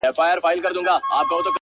• خدایه بیرته هغه تللی بیرغ غواړم ,